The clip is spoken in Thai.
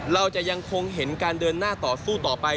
เราจะยังคงเห็นการเดินหน้าต่อสู้ต่อไป